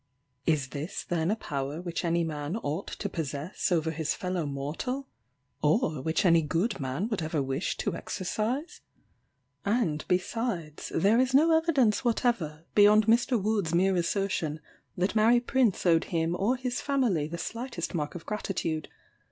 Is this then a power which any man ought to possess over his fellow mortal? or which any good man would ever wish to exercise? And, besides, there is no evidence whatever, beyond Mr. Wood's mere assertion, that Mary Prince owed him or his family the slightest mark of gratitude.